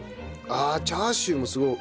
ああチャーシューもすごい。